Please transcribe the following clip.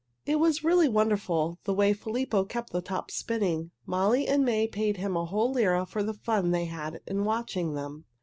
It was really wonderful, the way Filippo kept the tops spinning. Molly and May paid him a whole lira for the fun they had in watching them.